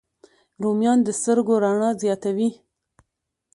رومیان د سترګو رڼا زیاتوي